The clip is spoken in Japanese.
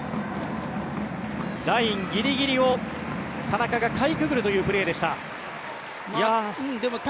ラインギリギリを田中がかいくぐるというプレーでした。